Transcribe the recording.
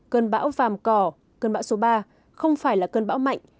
cơn bão vàm cỏ cơn bão số ba không phải là cơn bão mạnh